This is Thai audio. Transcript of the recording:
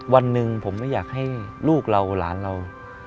วันหนึ่งผมไม่อยากให้ลูกเราหลานเรา